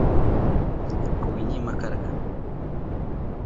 Kuynima karka.